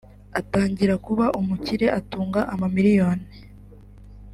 atangira kuba umukire atunga amamiliyoni